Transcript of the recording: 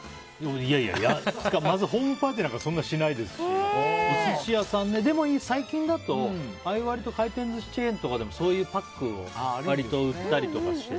いやいやまずホームパーティーなんかしないですしでも最近だと、ああいう割と回転寿司チェーンでもそういうパックを割と売ったりとかしてね。